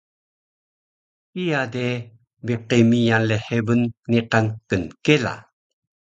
kiya de biqi miyan lhebun niqan knkela